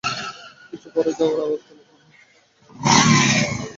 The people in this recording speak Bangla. কিছু পড়ে যাওয়ার আওয়াজ পেলাম মনে হয়।